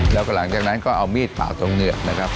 แล้วก็หลังจากนั้นก็เอามีดปาดตรงเหงือกนะครับ